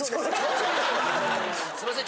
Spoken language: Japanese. すいません。